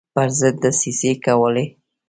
پر ضد دسیسې کولې.